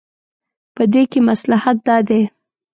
په دې کې مصلحت دا دی.